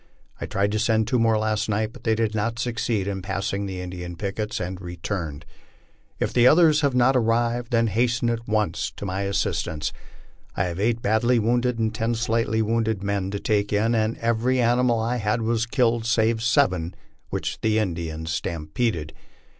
I tried to send two more last night, but they did not succeed in passing the Indian pickets, and returned. If the others have not arrived, then hasten at once to my assistance. I have eight badly wounded and ten slightly wounded men to take in, and every animal I had was k lied save seven which the Indians stampeded.